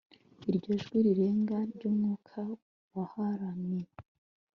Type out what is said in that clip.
Iryo jwi rirenga ryumwuka waharaniye